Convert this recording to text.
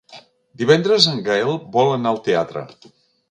Divendres en Gaël vol anar al teatre.